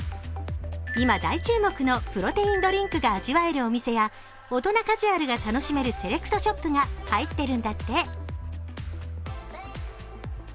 今、大注目のプロテインドリンクが味わえるお店や大人カジュアルが楽しめるセレクトショップが入ってるんだって。